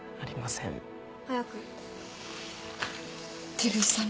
照井さん